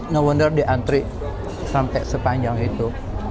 no wonder diantri sampai sepanjang itu